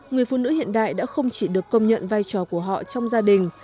người phụ nữ hiện đại đã không chỉ được công nhận vai trò của họ trong gia đình